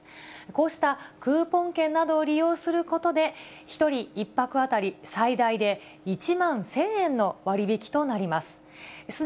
こうしたクーポン券などを利用することで、１人１泊当たり最大で１万１０００円の割引となります。